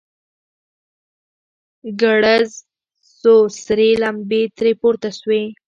ګړز سو سرې لمبې ترې پورته سوې.